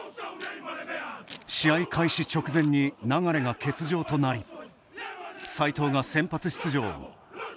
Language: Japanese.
試合開始直前に、流が欠場となり齋藤が先発出場。